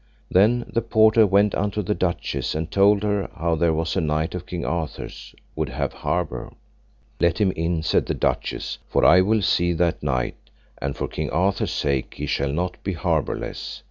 Then the porter went unto the duchess, and told her how there was a knight of King Arthur's would have harbour. Let him in, said the duchess, for I will see that knight, and for King Arthur's sake he shall not be harbourless.